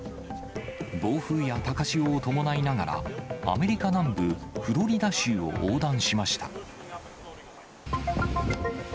暴風や高潮を伴いながら、アメリカ南部フロリダ州を横断しました。